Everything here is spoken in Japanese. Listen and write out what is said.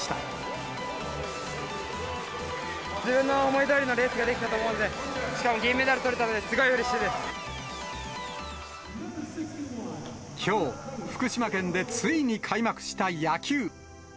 自分の思いどおりのレースができたと思うんで、しかも銀メダルとれたので、すごいうれしいできょう、福島県でついに開幕した野球。